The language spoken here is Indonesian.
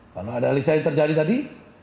kalau ada analisa yang terjadi tadi